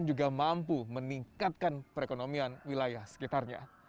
dan juga mampu meningkatkan perekonomian wilayah sekitarnya